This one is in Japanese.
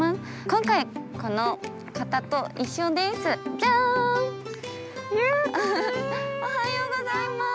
今回、この方と一緒です。